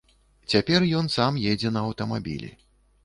Цяпер ён сам едзе на аўтамабілі.